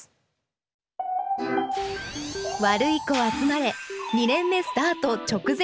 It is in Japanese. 「ワルイコあつまれ２年目スタート直前！